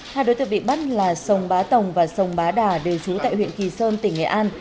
hai đối tượng bị bắt là sông bá tồng và sông bá đà đều trú tại huyện kỳ sơn tỉnh nghệ an